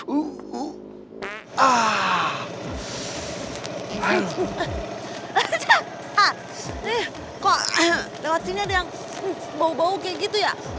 oh kok lewat sini ada yang bau bau kayak gitu ya